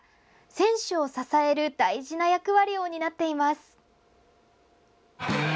選手を支える大事な役割を担っています。